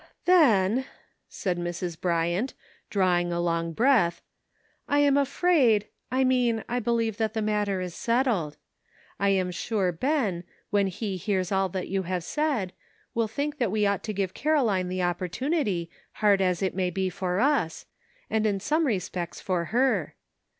'* ''Then," said Mrs. Bryant, drawing a long breath, " I am afraid — I mean I believe that the matter is settled. I am sure Ben, when he hears all that you have said, will think that we ought to give Caroline the opportunity, hard as it may be for us, and in some respects for her.